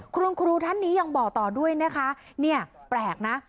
คุณครูท่านนี้ยังบอกต่อด้วยนะคะเนี่ยแปลกนะ